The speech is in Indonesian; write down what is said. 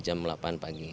dari jam delapan pagi